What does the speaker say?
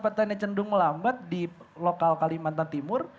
perusahaannya cendung melambat di lokal kalimantan timur